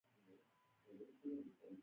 اختصار د عربي ژبي ټکی دﺉ.